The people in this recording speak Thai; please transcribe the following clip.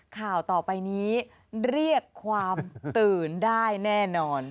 ข่าวต่อไปนี้เรียกความตื่นได้แน่นอน